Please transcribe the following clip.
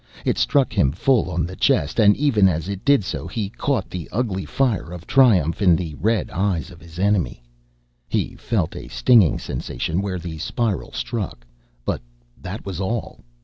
It struck him full on the chest and even as it did so he caught the ugly fire of triumph in the red eyes of his enemy. He felt a stinging sensation where the spiral struck, but that was all.